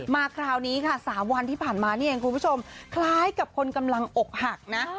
คราวนี้ค่ะ๓วันที่ผ่านมานี่เองคุณผู้ชมคล้ายกับคนกำลังอกหักนะ